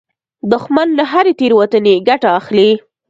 دښمن له هرې تېروتنې ګټه اخلي